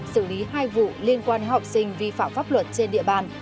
xử lý hai vụ liên quan học sinh vi phạm pháp luật trên địa bàn